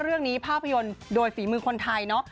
เรื่องนี้ภาพยนตร์โดยฝีมือคนไทยน่ะ